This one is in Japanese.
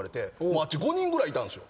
あっち５人ぐらいいたんですよ。